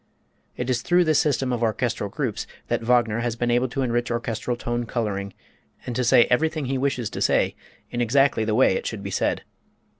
It is through this system of orchestral groups that Wagner has been able to enrich orchestral tone coloring, and to say everything he wishes to say in exactly the way it should be said.